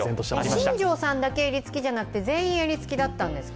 新庄さんだけ襟付けじゃなくて、全員襟付きだったんですか？